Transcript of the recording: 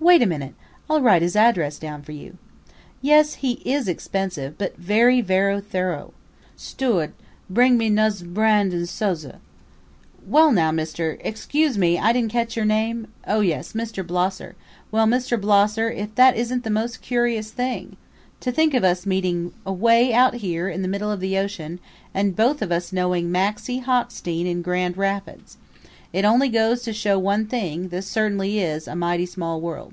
Wait a minute I'll write his address down for you. Yes, he is expensive, but very, very thorough." ... "Stew'd, bring me nozher brand' 'n' sozza." ... "Well, now Mr. excuse me, I didn't catch your name? oh yes, Mr. Blosser; well, Mr. Blosser, if that isn't the most curious thing! To think of us meeting away out here in the middle of the ocean and both of us knowing Maxie Hockstein in Grand Rapids. It only goes to show one thing this certainly is a mighty small world."